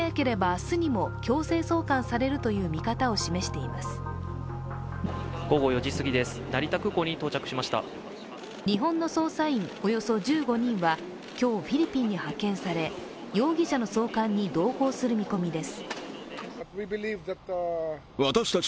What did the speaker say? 日本の捜査員およそ１５人は今日、フィリピンへ派遣され容疑者の送還に同行する見込みです。